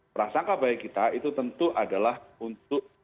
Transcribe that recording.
perasaan kebaikan kita itu tentu adalah untuk